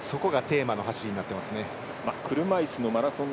そこがテーマの走りになってますね。